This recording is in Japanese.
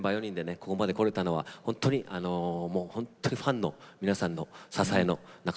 ここまでこれたのは本当に本当にファンの皆さんの支えの中でやってこられました。